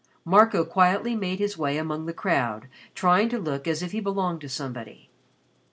Marco quietly made his way among the crowd trying to look as if he belonged to somebody.